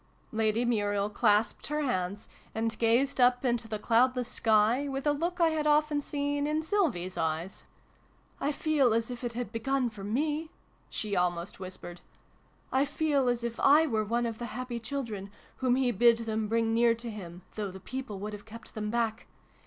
' Lady Muriel clasped her hands, and gazed up into the cloudless sky, with a look I had often seen in Sylvie's eyes. " I feel as if it had begun for me" she almost whispered. " I feel as if / were one of the happy children, whom He bid them bring near to Him, though the people would have kept them back.